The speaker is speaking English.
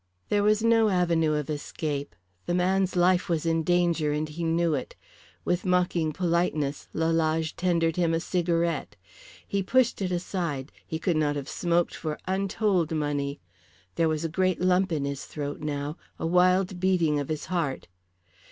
There was no avenue of escape. The man's life was in danger, and he knew it. With mocking politeness Lalage tendered him a cigarette. He pushed it aside; he could not have smoked for untold money. There was a great lump in his throat now, a wild beating of his heart.